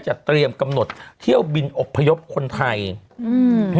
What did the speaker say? เตรียมกำหนดเที่ยวบินอบพยพคนไทยอืม